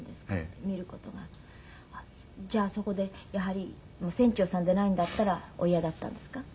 じゃあそこでやはり船長さんでないんだったらお嫌だったんですか？